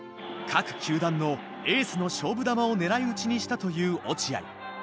各球団のエースの勝負球を狙い打ちにしたという落合。